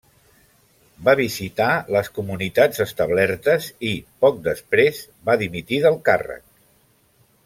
Va visitar les comunitats establertes i, poc després, va dimitir del càrrec.